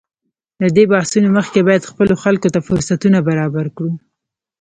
له دې بحثونو مخکې باید خپلو خلکو ته فرصتونه برابر کړو.